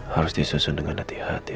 harus disusun dengan hati hati